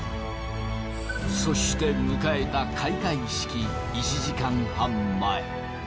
そして迎えた開会式１時間半前。